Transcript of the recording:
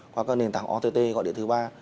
qua các nền tảng ott gọi điện thứ ba